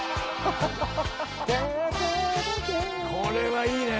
これはいいね。